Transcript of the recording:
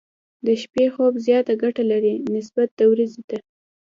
د شپې خوب زياته ګټه لري، نسبت د ورځې ته.